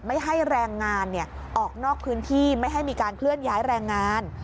ไม่ให้แรงงานออกนอกพื้นที่ไม่ให้มีการเคลื่อนย้ายแรงงาน